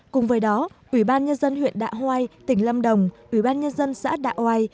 cùng với đó ủy ban nhân dân huyện đạ hoai tỉnh lâm đồng ủy ban nhân dân xã đạ oai